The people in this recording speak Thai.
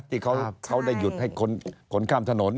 ที่เขาได้หยุดให้คนข้ามถนน